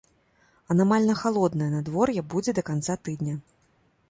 Анамальна халоднае надвор'е будзе да канца тыдня.